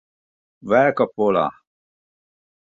Velka pola.